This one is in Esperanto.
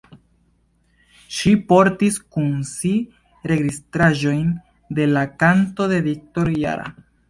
Ŝi portis kun si registraĵojn de la kantoj de Victor Jara.